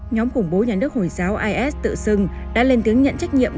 nhóm khủng bố nhà nước hồi giáo is tự xưng đã lên tiếng nhận trách nhiệm